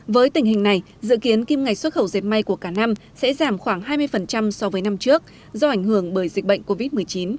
với tình hình này dự kiến kim ngạch xuất khẩu dệt may của cả năm sẽ giảm khoảng hai mươi so với năm trước do ảnh hưởng bởi dịch bệnh covid một mươi chín